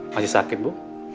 masih sakit bu